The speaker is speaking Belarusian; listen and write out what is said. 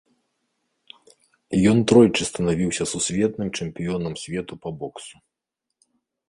Ён тройчы станавіўся сусветным чэмпіёнам свету па боксу.